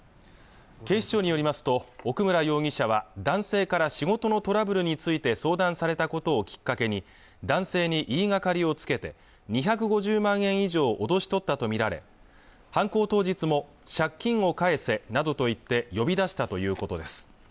警視庁によりますと奥村容疑者は男性から仕事のトラブルについて相談されたことをきっかけに男性に言いがかりをつけて２５０万円以上を脅し取ったとみられ犯行当日も借金を返せなどと言って呼び出したということです